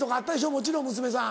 もちろん娘さん。